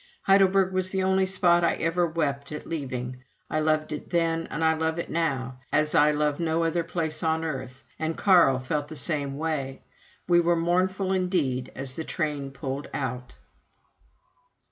Heidelberg was the only spot I ever wept at leaving. I loved it then, and I love it now, as I love no other place on earth and Carl felt the same way. We were mournful, indeed, as that train pulled out.